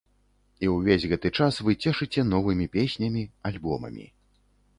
І ўвесь гэты час вы цешыце новымі песнямі, альбомамі.